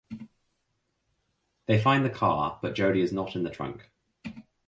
They find the car but Jody is not in the trunk.